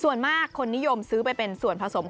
ส่วนมากคนนิยมซื้อไปเป็นส่วนผสม